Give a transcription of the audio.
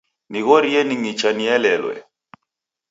Nighorie ning'icha nielelwe.